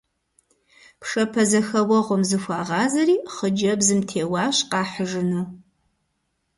Пшапэзэхэуэгъуэм зыхуагъазэри хъыджэбзым теуащ къахьыжыну.